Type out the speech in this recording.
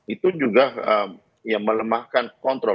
itu juga melemahkan kontrol